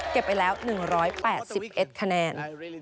เก็บไปแล้ว๑๘๑คะแนน